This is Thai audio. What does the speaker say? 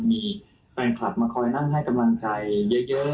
มีแฟนคลับมาคอยนั่งให้กำลังใจเยอะ